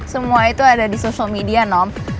semua itu ada di sosial media nom